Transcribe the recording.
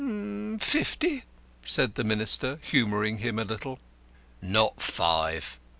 "Fifty?" said the Minister, humouring him a little. "Not five.